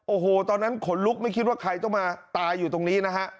โอ้โหตอนนั้นขนลุกไม่คิดว่าใครต้องมาตายอยู่ตรงนี้นะฮะ